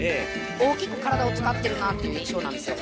大きく体を使ってるなっていう印象なんですよ。